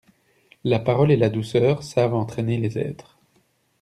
La parole et la douceur savent entraîner les êtres.